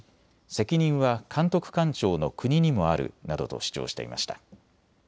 責任は監督官庁の国にもあるなどと主張していました。